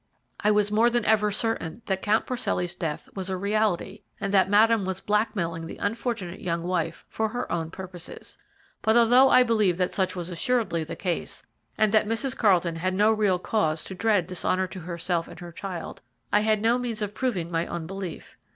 I was more than ever certain that Count Porcelli's death was a reality, and that Madame was blackmailing the unfortunate young wife for her own purposes. But although I believed that such was assuredly the case, and that Mrs. Carlton had no real cause to dread dishonour to herself and her child, I had no means of proving my own belief.